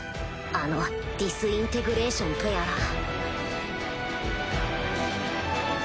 あのディスインテグレーションとやら